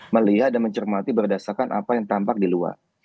melihat dan mencermati berdasarkan apa yang tampak di luar